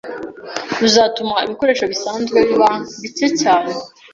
ruzatuma ibikoresho bisanzwe biba bicyeya cyane.